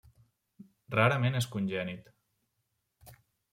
Rarament és congènit.